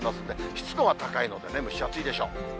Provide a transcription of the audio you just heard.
湿度は高いのでね、蒸し暑いでしょう。